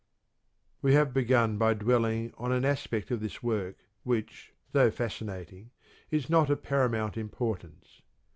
We have begun by dwelling on an aspect of this work which, though fascinating, is not of paramount importance.